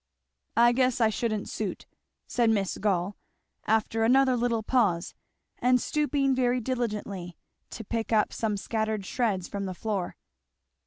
"I guess I shouldn't suit!" said Miss Gall, after another little pause, and stooping very diligently to pick up some scattered shreds from the floor.